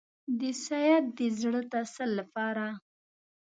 د سید د زړه تسل لپاره.